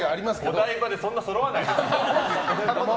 お台場でそんなそろわないでしょ。